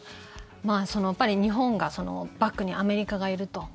日本がバックにアメリカがいると。